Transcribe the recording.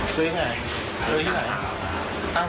ซื้อไหนซื้อที่ไหนตั้งทาง